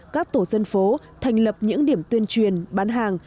các tổ dân phố thành lập những điểm tuyên truyền bán hàng